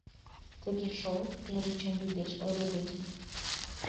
Тыге шол: эре чон лӱдеш ойго дечын.